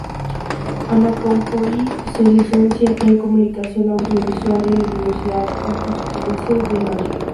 Ana Campoy se licencia en Comunicación Audiovisual en la Universidad Complutense de Madrid.